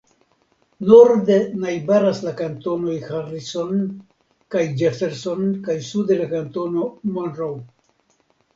Norde najbaras la kantonoj Harrison kaj Jefferson kaj sude la kantono Monroe.